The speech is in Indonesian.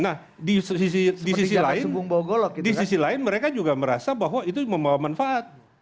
nah di sisi lain mereka juga merasa bahwa itu membawa manfaat